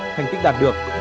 ba thành tích đạt được